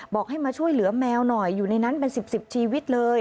บอกให้มาช่วยเหลือแมวหน่อยอยู่ในนั้นเป็น๑๐ชีวิตเลย